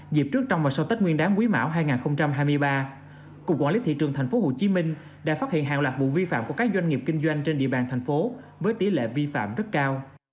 dịp trước trong và sau tết nguyên đáng quý mão hai nghìn hai mươi ba cục quản lý thị trường tp hcm đã phát hiện hàng loạt vụ vi phạm của các doanh nghiệp kinh doanh trên địa bàn thành phố với tỷ lệ vi phạm rất cao